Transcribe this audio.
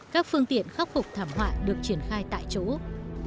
các phương tiện khắc phục thảm họa được triển khai tại châu úc